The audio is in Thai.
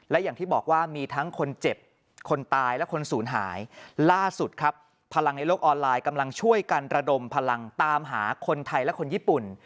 และอย่างที่บอกว่ามีทั้งคนเจ็บคนตายและคนศูนย์หายล่าสุดครับพลังในโลกออนไลน์กำลังช่วยกันระดมพลังตามหาคนไทยและคนญี่ปุ่น